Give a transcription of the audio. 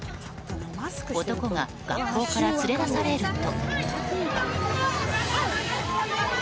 男が学校から連れ出されると。